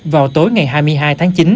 vào tối ngày hai mươi hai tháng chín